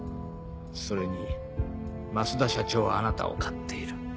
それに増田社長はあなたを買っている。